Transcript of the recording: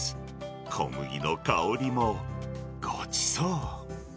小麦の香りもごちそう。